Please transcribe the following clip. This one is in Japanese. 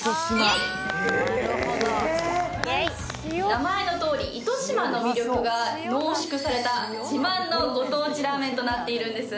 名前のとおり糸島の魅力が濃縮された自慢の御当地ラーメンとなっているんです。